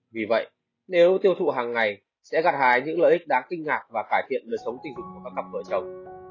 vì vậy nếu tiêu thụ hàng ngày sẽ gạt hái những lợi ích đáng kinh ngạc và cải thiện lời sống tình dục của các cặp vợ chồng